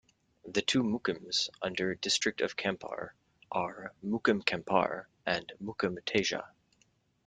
The two Mukims under District of Kampar are Mukim Kampar and Mukim Teja.